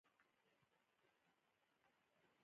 چې ماين پټاو سو.